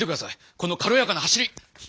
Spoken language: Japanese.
このかろやかな走り！